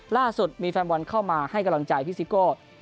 ล่าสุดมีแฟนบอลเข้ามาให้กำลังใจพี่ซิโก้